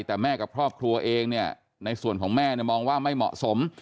แต่แม่กับครอบครัวเองเนี่ยในส่วนของแม่มองว่าไม่เหมาะสม